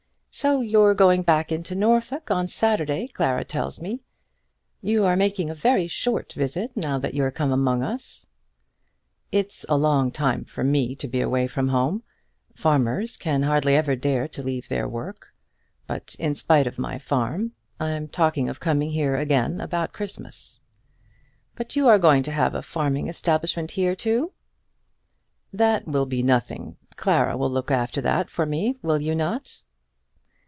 "So you're going back into Norfolk on Saturday, Clara tells me. You are making a very short visit now that you're come among us." "It is a long time for me to be away from home. Farmers can hardly ever dare to leave their work. But in spite of my farm, I am talking of coming here again about Christmas." "But you are going to have a farming establishment here too?" "That will be nothing. Clara will look after that for me; will you not?"